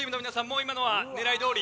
もう今のは狙いどおり？